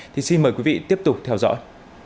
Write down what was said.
thì xin mời quý vị tiếp tục theo dõi